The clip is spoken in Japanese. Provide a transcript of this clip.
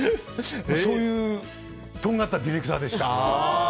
そういうとんがったディレクターでした。